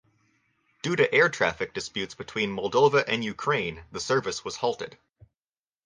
Due to air traffic disputes between Moldova and Ukraine the service was halted.